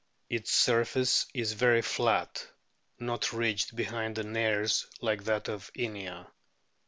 Its surface is very flat not rido ed behind the nares like that of Inia.